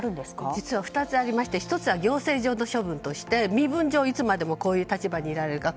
実は、２つありまして１つは行政上の処分として身分上、いつまでもこういう立場でいられるか。